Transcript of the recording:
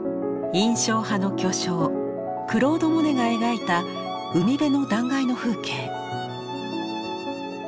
印象派の巨匠クロード・モネが描いた海辺の断崖の風景。